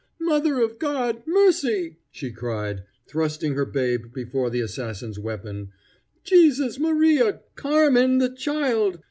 "Mother of God! mercy!" she cried, thrusting her babe before the assassin's weapon. "Jesus Maria! Carmen, the child!